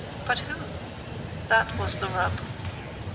But who? That was the rub.